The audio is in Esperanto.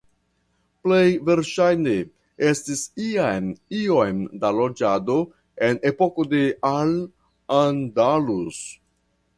Plej verŝajne estis jam iom da loĝado en epoko de Al Andalus.